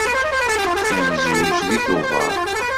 Ad nezweǧ deg Tubeṛ.